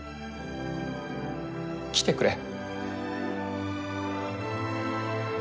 来てくれ。